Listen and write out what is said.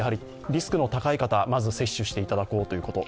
リスクの高い方、まず接種していただこうということ。